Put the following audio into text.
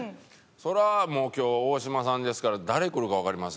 そりゃもう今日大島さんですから誰来るかわかりません。